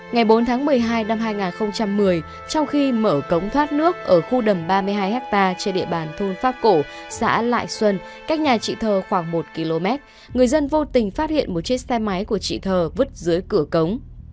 ngày bốn tháng một mươi hai năm hai nghìn một mươi trong khi mở cống thoát nước ở khu đầm ba mươi hai ha trên địa bàn thôn pháp cổ xã lại xuân cách nhà chị thơ khoảng một km người dân vô tình phát hiện một chiếc xe máy của chị thờ vứt dưới cửa cống